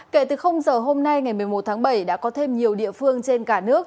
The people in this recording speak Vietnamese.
kể từ giờ hôm nay ngày một mươi một tháng bảy đã có thêm nhiều địa phương trên cả nước